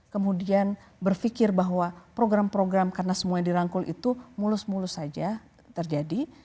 kemudian berpikir bahwa program program karena semua yang dirangkul itu mulus mulus saja terjadi